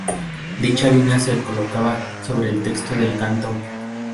Dicha línea se colocaba sobre el texto del canto.